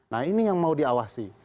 nah ini yang mau diawasi